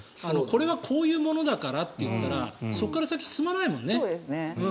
これはこういうものだからといったらそこから先進まないですもんね。